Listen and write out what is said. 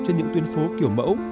trên những tuyến phố kiểu mẫu